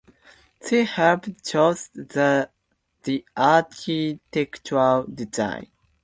She helped choose the architectural design.